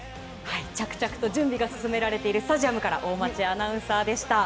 着々と準備が進められているスタジアムから大町アナウンサーでした。